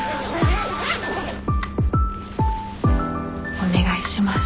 お願いします。